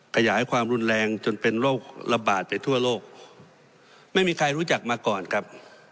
ขยายความรุนแรงจนเป็นโรคระบาดไปทั่วโลกไม่มีใครรู้จักมาก่อนครับ